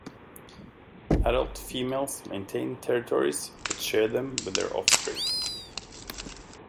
Adult females maintain territories, but share them with their offspring.